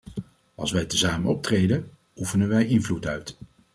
Als wij tezamen optreden, oefenen wij invloed uit.